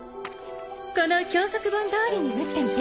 この教則本通りに打ってみて。